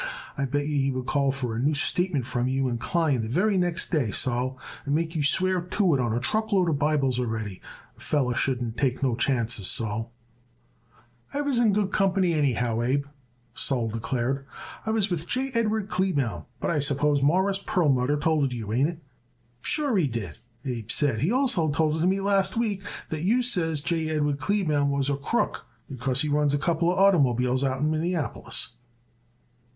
I bet yer he would call for a new statement from you and Klein the very next day, Sol, and make you swear to it on a truck load of Bibles already. A feller shouldn't take no chances, Sol." "I was in good company anyhow, Abe," Sol declared. "I was with J. Edward Kleebaum, but I suppose Mawruss Perlmutter told it you. Ain't it?" "Sure, he did," Abe said, "and he also told it me last week that you says J. Edward Kleebaum was a crook because he runs a couple of oitermobiles out in Minneapolis."